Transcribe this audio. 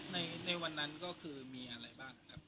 ในวันนั้นก็คือมีอะไรบ้างครับ